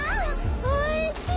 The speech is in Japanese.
おいしい！